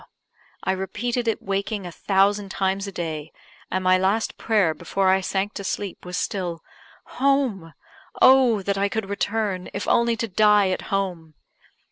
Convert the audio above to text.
I repeated it waking a thousand times a day, and my last prayer before I sank to sleep was still "Home! Oh, that I could return, if only to die at home!"